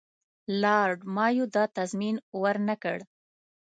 لارډ مایو دا تضمین ورنه کړ.